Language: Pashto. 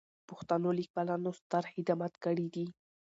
پښتنو لیکوالانو ستر خدمات کړي دي.